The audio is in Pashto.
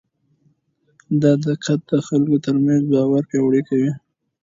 دا دقت د خلکو ترمنځ باور پیاوړی کوي.